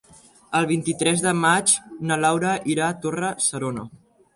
El vint-i-tres de maig na Laura irà a Torre-serona.